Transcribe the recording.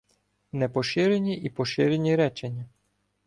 Непоширені і поширені речення